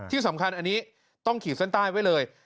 ที่สำคัญอันนี้ต้องขีดเส้นใต้ไว้เลย